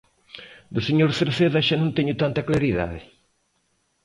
Do señor Cerceda xa non teño tanta claridade.